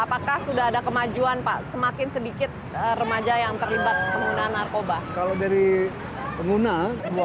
apakah sudah ada kemajuan pak semakin sedikit remaja yang terlibat pengguna narkoba